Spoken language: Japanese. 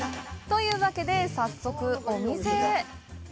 というわけで、早速、お店へ。